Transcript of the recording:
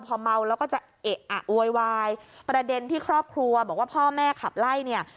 พอเมาแล้วก็จะเอะอะโวยวายประเด็นที่ครอบครัวบอกว่าพ่อแม่ขับไล่เนี่ย